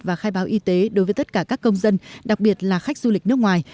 và khai báo y tế đối với tất cả các công dân đặc biệt là khách du lịch nước ngoài